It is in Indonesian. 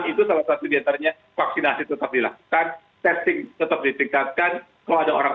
enam itu salah satu diantaranya vaksinasi tetap dilakukan testing tetap ditingkatkan kalau ada orang sakit tetap ditangani dengan baik